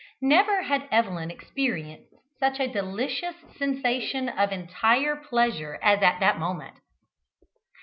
Never had Evelyn experienced such a delicious sensation of entire pleasure as at that moment.